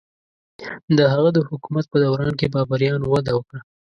د هغه د حکومت په دوران کې بابریانو وده وکړه.